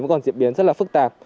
còn diễn biến rất là phức tạp